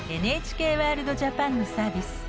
ＮＨＫワールドＪＡＰＡＮのサービス。